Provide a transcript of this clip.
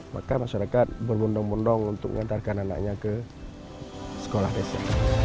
maka masyarakat berbondong bondong untuk mengantarkan anaknya ke sekolah desa